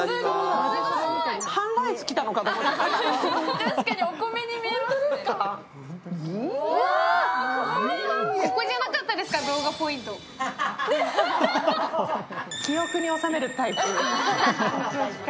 確かにお米に見えますね。